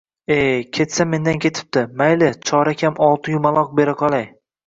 – E, ketsa mendan ketibdi! Mayli, chorakam olti yumaloq beraqolay